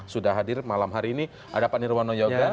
sudah hadir malam hari ini ada pak nirwano yoga